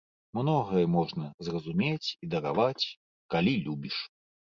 Многае можна зразумець і дараваць, калі любіш.